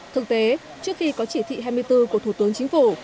thực tế trước khi có chỉ thị hai mươi bốn của thủ tướng chính phủ